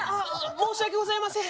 申し訳ございません